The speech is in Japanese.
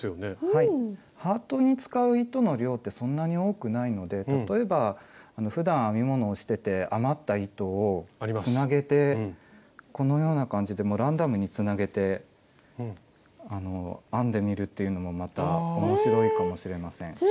ハートに使う糸の量ってそんなに多くないので例えばふだん編み物をしてて余った糸をつなげてこのような感じでランダムにつなげて編んでみるというのもまた面白いかもしれません。